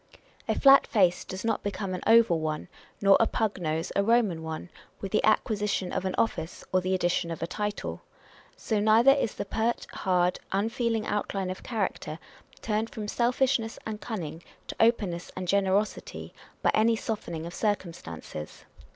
A flat face does not become an oval oney nor a pug nose a Eoman one, with the acquisition of an office, or the addition of a title. So neither is the pert, hard, unfeeling outline of character turned from selfish ness and cunning to openness and generosity, by any softening of circumstances.